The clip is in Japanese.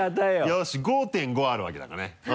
よし５．５ｍあるわけだからね。